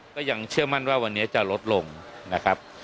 ก็ยังเชื่อมั่นว่าวันนี้จะลดลงนะครับ